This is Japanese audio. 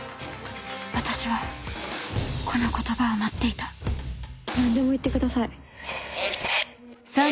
私はこの言葉を待っていた何でも言ってください。